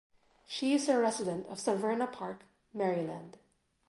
She is a resident of Severna Park, Maryland.